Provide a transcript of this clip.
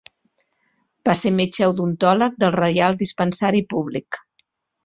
Va ser metge odontòleg del Reial Dispensari públic.